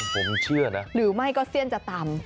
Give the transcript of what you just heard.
ผมเชื่อนะหรือไม่ก็เสี้ยนจะต่ำ